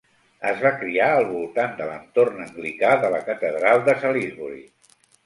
Es va criar al voltant de l'entorn anglicà de la catedral de Salisbury.